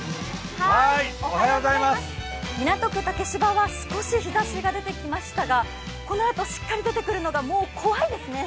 港区竹芝は少し日ざしが出てきましたが、このあとしっかり出てくるのがもう怖いですね。